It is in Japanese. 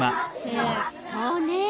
そうね。